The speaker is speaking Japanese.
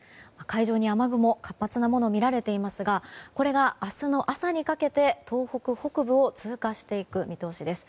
海上に雨雲活発なものが見られていますがこれが明日の朝にかけて東北北部を通過していく見通しです。